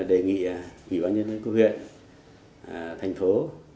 đề nghị ủy ban nhân dân cấp huyện thành phố